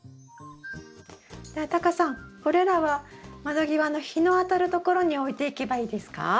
ではタカさんこれらは窓際の日の当たるところに置いていけばいいですか？